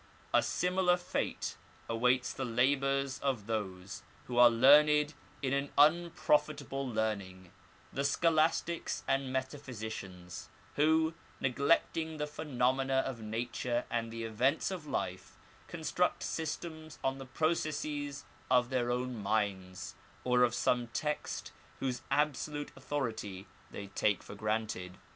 A similar fate awaits the labours of those The Arabic Language, 19 who are learned in an unprofitable learning, the scholastics and metaphysicians, who, neglecting the phenomena of nature and the events of life, construct systems on the processes of their own minds, or of some text whose absolute authority they take for granted.